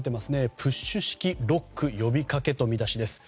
プッシュ式ロック呼びかけという見出しです。